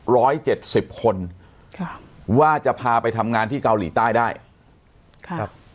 ร้อยเจ็ดสิบคนค่ะว่าจะพาไปทำงานที่เกาหลีใต้ได้ครับ